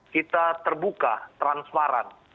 kita terbuka transparan